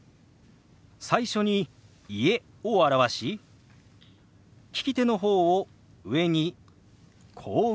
最初に「家」を表し利き手の方を上にこう動かします。